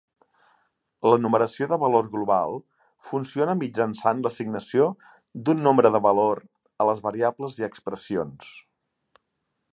La numeració de valor global funciona mitjançant l'assignació d'un nombre de valor a les variables i expressions.